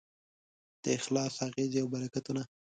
د اخلاص اغېزې او برکتونه